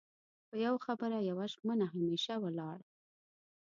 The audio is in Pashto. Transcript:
په يو خبره يوه ژمنه همېشه ولاړ